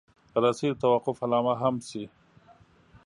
رسۍ د توقف علامه هم شي.